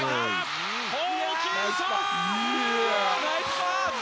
ナイスパス！